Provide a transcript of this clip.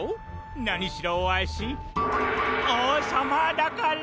なにしろわしおうさまだから！